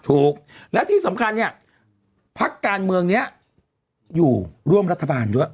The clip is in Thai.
ถูกและที่สำคัญเนี่ยพักการเมืองนี้อยู่ร่วมรัฐบาลด้วย